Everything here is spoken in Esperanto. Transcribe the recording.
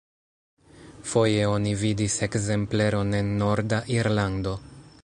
Foje oni vidis ekzempleron en norda Irlando.